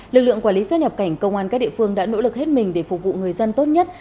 lực lượng quản lý xuất nhập cảnh công an các địa phương đã nỗ lực hết mình để phục vụ người dân tốt nhất